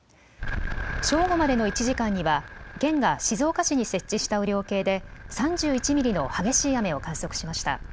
正午までの１時間には県が静岡市に設置した雨量計で３１ミリの激しい雨を観測しました。